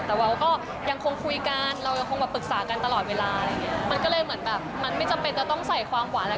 แต่เราก็ยังคงคุยกันเราก็คงปรึกษากันตลอดเวลาอะไรอย่างนี้